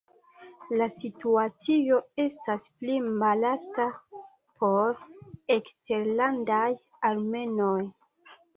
La situacio estas pli malalta por eksterlandaj armenoj.